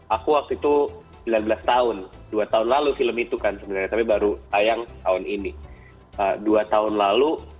aku waktu itu sembilan belas tahun dua tahun lalu film itu kan sebenarnya tapi baru tayang tahun ini dua tahun lalu